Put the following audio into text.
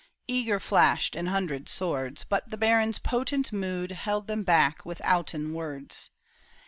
Eager flashed an hundred swords, But the baron's potent mood Held them back withouten words.